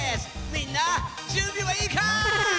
みんなじゅんびはいいかい？